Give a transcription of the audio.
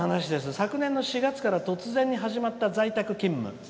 昨年の４月から突然始まった在宅勤務